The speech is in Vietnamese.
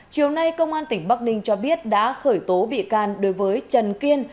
chiều nay công an tỉnh bắc ninh cho biết đã khởi tố bị can đối với trần kiên